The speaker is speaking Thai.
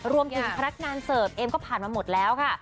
พนักงานเสิร์ฟเองก็ผ่านมาหมดแล้วค่ะ